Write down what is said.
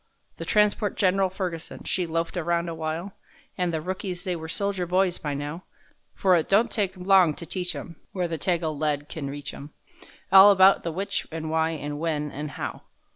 The transport Gen'ral Ferguson, she loafed around awhile, An' the rookies they was soldier boys by now, For it don't take long to teach 'em—where the Tagal lead can reach 'em— All about the which and why and when and how.